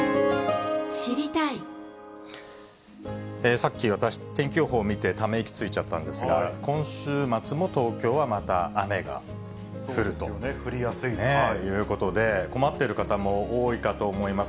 さっき、私、天気予報見て、ため息ついちゃったんですが、そうですね、降りやすいと。ということで、困ってる方も多いかと思います。